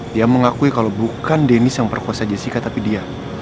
dia mengakui kalau bukan dennis yang perkosa jessica tapi dia